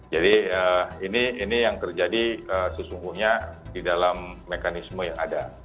jadi ini yang terjadi sesungguhnya di dalam mekanisme yang ada